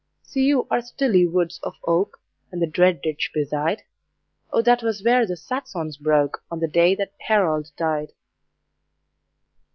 See you our stilly woods of oak, And the dread ditch beside? O that was where the Saxons broke, On the day that Harold died.